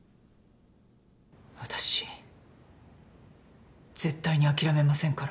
私絶対に諦めませんから。